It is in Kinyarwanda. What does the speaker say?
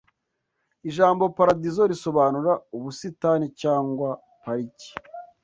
Ijambo paradizo risobanura ubusitani cyangwa pariki